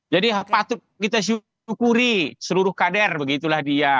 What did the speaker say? patut kita syukuri seluruh kader begitulah dia